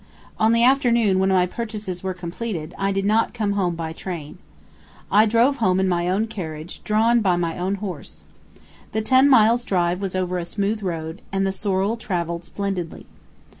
On the afternoon when my purchases were completed, I did not come home by the train. I drove home in my own carriage, drawn by my own horse! The ten miles' drive was over a smooth road, and the sorrel traveled splendidly.